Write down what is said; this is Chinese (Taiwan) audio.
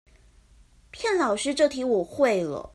騙老師這題我會了